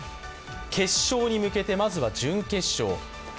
決勝に向けて、まずは準決勝。